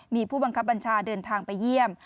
มีผู้บังคับบัญชาเดินทางไปเยี่ยม